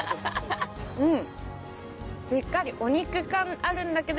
うん！